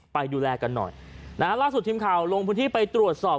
ไปดูแลกันหน่อยนะฮะล่าสุดทีมข่าวลงพื้นที่ไปตรวจสอบ